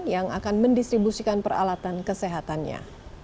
yang akan mendistribusikan peralatan kesehatannya